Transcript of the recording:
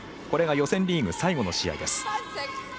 これが予選リーグ最後の試合です。